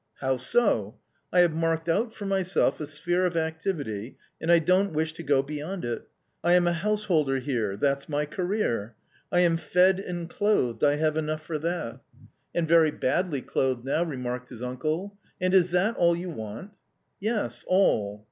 " How so ?"" I have marked out for myself a sphere of activity and I don't wish to go beyond it. I am a householder here ; that's my career. 1 am fed and clothed ; I have enough for that." A COMMON STORY 197 "And very badly clothed now," remarked his uncle. " And is that all you want ?"« Yes, all."